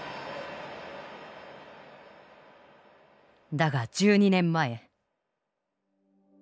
だが１２年前。